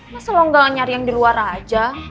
masa lu gak nyari yang di luar aja